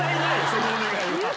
そのお願い。